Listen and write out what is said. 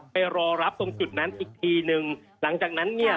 ไปรอรับตรงจุดนั้นอีกทีหนึ่งหลังจากนั้นเนี่ย